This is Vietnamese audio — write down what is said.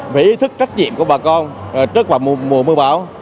về ý thức trách nhiệm của bà con trước vào mùa mưa bão